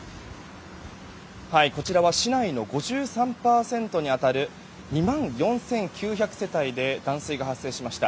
こちらは市内の５３％に当たる２万４９００世帯で断水が発生しました。